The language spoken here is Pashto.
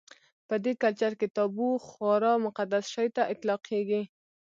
په دې کلچر کې تابو خورا مقدس شي ته اطلاقېږي.